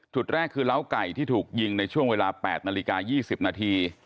จุดแรกคือเล้าไก่ที่ถูกยิงในช่วงเวลา๘นาฬิกา๒๐นาที